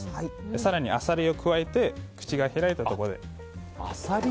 更にアサリを加えて口が開いたところで。